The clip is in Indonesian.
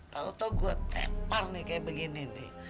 tau tau gue tepar nih kayak begini nih